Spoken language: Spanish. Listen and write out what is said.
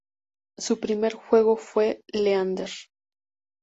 Su primer juego fue Leander.